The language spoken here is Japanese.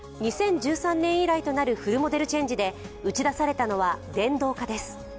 ２０１３年以来となるフルモデルチェンジで打ち出されたのは電動化です。